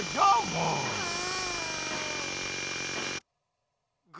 うん？